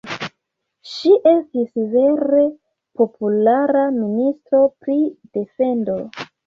Ŝi estis vere populara ministro pri defendo.